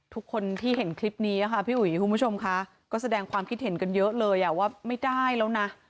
ทุกคนที่เห็นคลิปนี้ค่ะพี่อุ๋ยคุณผู้ชมค่ะก็แสดงความคิดเห็นกันเยอะเลยว่าไม่ได้แล้วนะ